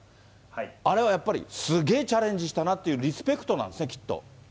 あれはやっぱり、すげえチャレンジしたなっていうリスペクトなんですね、きっと。